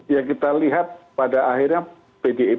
ya kita lihat pada akhirnya pdip